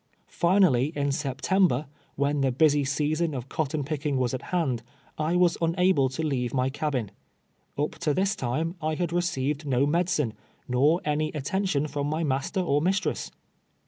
Finally, in September, when the busy season of cotton picking was at hand, I was unable to leave my cabin. Up to this time I had received no medicine, nor any attention from my master or mistress.